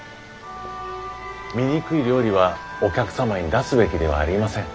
醜い料理はお客様に出すべきではありません。